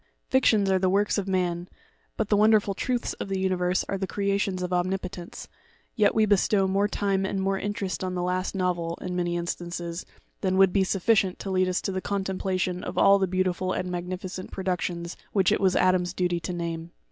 Fictions are the works of man, but the wonderful truths of the universe are the creations of Omnipotence; yet we bestow more time and more interest on the last novel, in many instances, than would be sufficient to lead us to the contemplation of all the beau tiful and magnificent productions which it was Adam's duty to name.